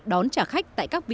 đón trả khách tại khu vực này